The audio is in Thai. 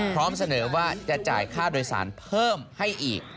พร้อมเสนอว่าจะจ่ายค่าโดยสารเพิ่มให้อีก